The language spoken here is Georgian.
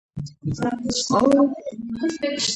მიწერილია სანქტ-პეტერბურგის სმოლენსკის ეკლესიაზე.